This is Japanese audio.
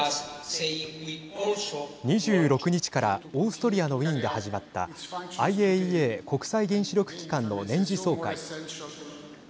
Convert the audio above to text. ２６日からオーストリアのウィーンで始まったＩＡＥＡ＝国際原子力機関の年次総会。